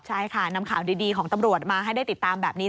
ใช่ค่ะนำข่าวดีของตำรวจมาให้ได้ติดตามแบบนี้